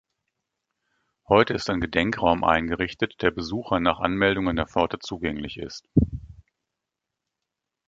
Heute ist ein Gedenkraum eingerichtet, der Besuchern nach Anmeldung an der Pforte zugänglich ist.